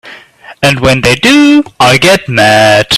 And when they do I get mad.